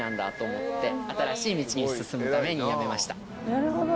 なるほど。